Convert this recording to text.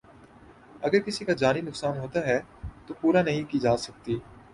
اگر کسی کا جانی نقصان ہوتا ہے تو پورا نہیں کی جا سکتی